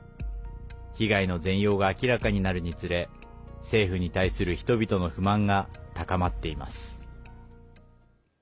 被害の全容が明らかになるにつれ政府に対する人々の不満が高まっています。